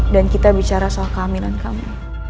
dan kita bicara soal kehamilan kamu